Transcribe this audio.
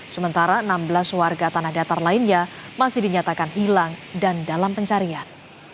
sementara enam belas warga tanah datar lainnya masih dinyatakan hilang dan dalam pencarian